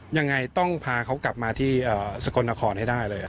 ยังไงต้องพาเขากลับมาที่สกลนครให้ได้เลย